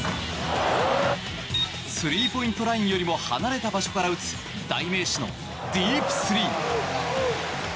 スリーポイントラインよりも離れた場所から打つ代名詞のディープスリー。